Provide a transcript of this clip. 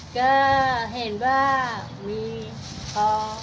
ก็เห็นว่ามีพอ